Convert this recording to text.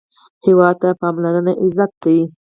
هېواد ته پاملرنه عزت دی